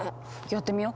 やってみよ。